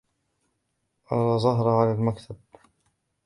أرى زهرة على المكتب.